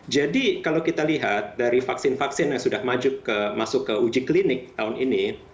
jadi kalau kita lihat dari vaksin vaksin yang sudah masuk ke uji klinik tahun ini